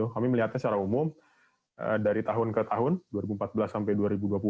kami melihatnya secara umum dari tahun ke tahun dua ribu empat belas sampai dua ribu dua puluh